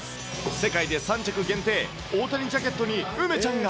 世界で３着限定、大谷ジャケットに梅ちゃんが。